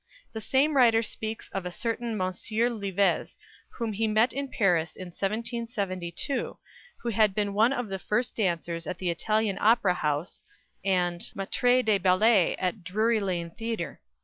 The same writer speaks of a certain Monsieur Liviez whom he met in Paris in 1772, who had been one of the first dancers at the Italian Opera House, and maître de ballet at Drury Lane Theatre.